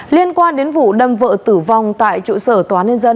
liên quan đến vụ đâm vợ tử vong tại trụ sở tòa nhân dân